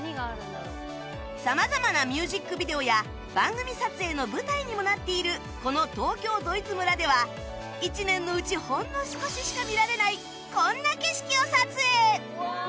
様々なミュージックビデオや番組撮影の舞台にもなっているこの東京ドイツ村では一年のうちほんの少ししか見られないこんな景色を撮影